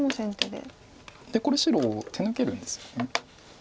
でこれ白手抜けるんですよね。